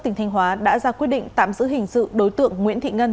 tỉnh thanh hóa đã ra quyết định tạm giữ hình sự đối tượng nguyễn thị ngân